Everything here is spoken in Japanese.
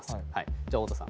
じゃあ太田さん。